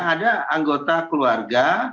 ada anggota keluarga